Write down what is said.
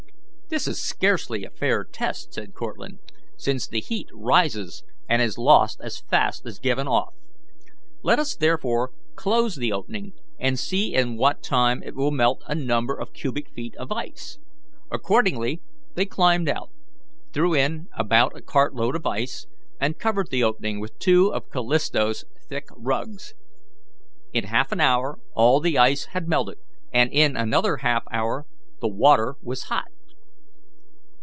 "This is scarcely a fair test," said Cortlandt, "since the heat rises and is lost as fast as given off. Let us therefore close the opening and see in what time it will melt a number of cubic feet of ice." Accordingly they climbed out, threw in about a cart load of ice, and covered the opening with two of the Callisto's thick rugs. In half an hour all the ice had melted, and in another half hour the water was hot.